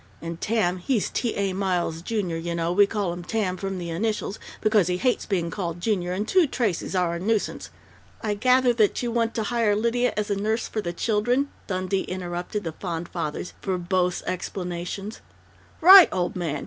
and Tam he's T. A. Miles, junior, you know, and we call him Tam, from the initials, because he hates being called Junior and two Tracey's are a nuisance " "I gather that you want to hire Lydia as a nurse for the children," Dundee interrupted the fond father's verbose explanations. "Right, old man!